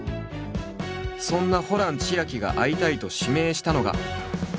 そんなホラン千秋が会いたいと指名したのが。